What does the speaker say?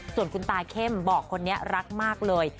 ส่วนคุณตาเข้มบอกคนนี้รักมากเลย